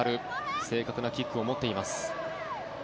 正確なキックを持っています。